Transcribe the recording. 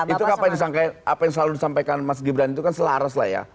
itu apa yang selalu disampaikan mas gibran itu kan selaras lah ya